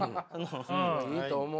いいと思う。